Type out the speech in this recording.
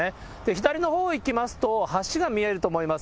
左のほう行きますと、橋が見えると思います。